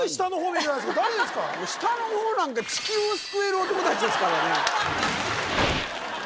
下の方なんか地球を救える男たちですからね